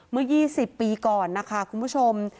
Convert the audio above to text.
เมื่อ๒๐ปีก่อนนะคะคุณผู้ชม